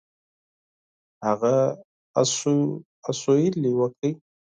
هغه اسویلی وکړ.